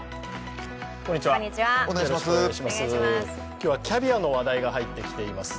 今日はキャビアの話題が入ってきています。